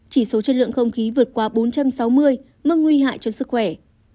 chỉ số chất lượng không khí vượt qua bốn trăm sáu mươi mức nguy hại cho sức khỏe